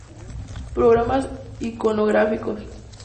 Programas iconográficos.